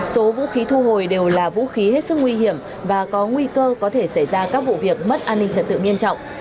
số vũ khí thu hồi đều là vũ khí hết sức nguy hiểm và có nguy cơ có thể xảy ra các vụ việc mất an ninh trật tự nghiêm trọng